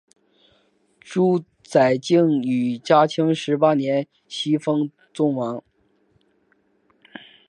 朱载境于嘉靖十八年袭封崇王。